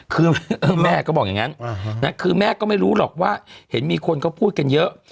คือแม่ก็บอกอย่างนั้นคือแม่ก็ไม่รู้หรอกว่าเห็นมีคนเขาพูดกันเยอะ